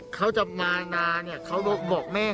เขาจะมานาเนี่ยเขาบอกแม่